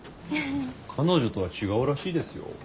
彼女とは違うらしいですよ。